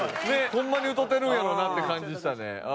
ホンマに歌うてるんやろうなって感じしたね。